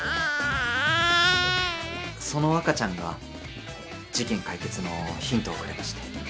・その赤ちゃんが事件解決のヒントをくれまして。